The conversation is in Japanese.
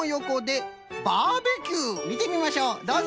みてみましょうどうぞ。